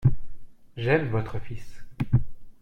J'aime votre fils.